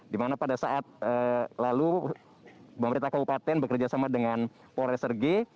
di mana pada saat lalu pemerintah kabupaten bekerjasama dengan polres rg